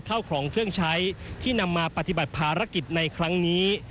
เข้าของเครื่องใช้ที่นำมาปฏิบัติภารกิจในครั้งนี้